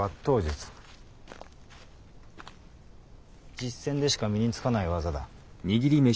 実践でしか身につかない技だ。